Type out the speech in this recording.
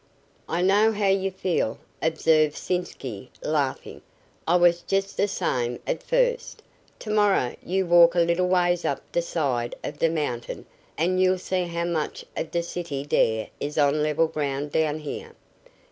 "I know how you feel," observed Sitzky, laughing. "I was just d' same at first. Tomorrow you walk a little ways up d' side of d' mountain an' you'll see how much of d' city dere is on level ground down here.